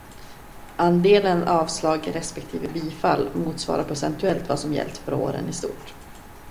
Andelen avslag respektive bifall motsvarar procentuellt vad som gällt för åren i stort.